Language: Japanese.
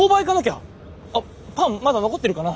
パンまだ残ってるかな。